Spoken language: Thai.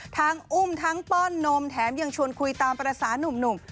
ทั้งอุ่มทั้งป้อนนมแถมยังชวนคุยตามประสานุ่ม